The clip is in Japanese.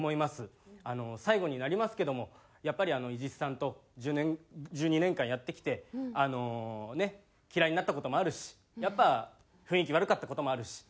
最後になりますけどもやっぱり伊地知さんと１２年間やってきてあのねっ嫌いになった事もあるしやっぱ雰囲気悪かった事もあるし。